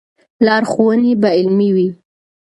لارښوونې به علمي وي.